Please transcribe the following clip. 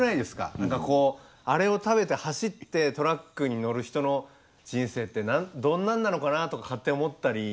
何かこうあれを食べて走ってトラックに乗る人の人生ってどんなんなのかなとか勝手に思ったり。